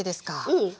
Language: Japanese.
うん。